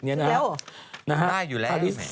ได้อยู่แล้ว